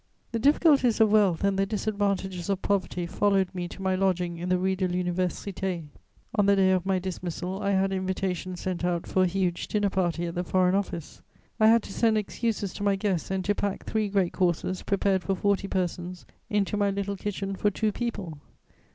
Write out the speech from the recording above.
The difficulties of wealth and the disadvantages of poverty followed me to my lodging in the Rue de l'Université: on the day of my dismissal, I had invitations sent out for a huge dinner party at the Foreign Office; I had to send excuses to my guests and to pack three great courses, prepared for forty persons, into my little kitchen for two people.